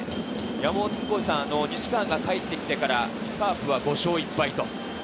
西川が帰ってきてからカープは５勝１敗。